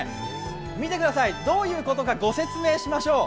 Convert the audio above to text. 見てください、どういうことかご説明しましょう。